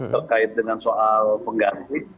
terkait dengan soal pengganti